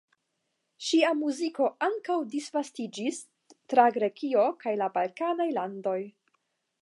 Ŝia muziko ankaŭ disvastiĝis tra Grekio kaj la balkanaj landoj.